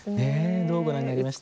どうご覧になりました？